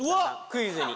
クイズに。